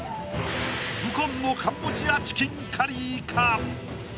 右近のカンボジアチキンカリーか？